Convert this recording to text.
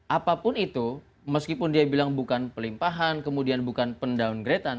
apapun itu meskipun dia bilang bukan pelimpahan kemudian bukan pen downgradean